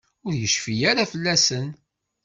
Ur yecfi ara fell-asen.